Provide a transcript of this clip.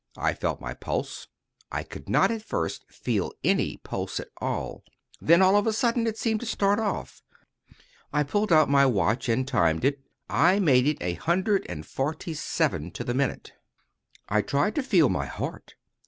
I felt my pulse. I could not at first feel any pulse at all. Then, all of a sudden, it seemed to start off. I pulled out my watch and timed it. I made it a hundred and forty seven to the minute. I tried to feel my heart.